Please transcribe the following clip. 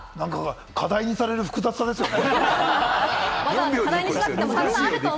課題にされる複雑さですよね。